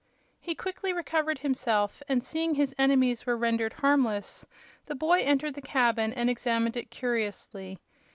He quickly recovered himself, and seeing his enemies were rendered harmless, the boy entered the cabin and examined it curiously.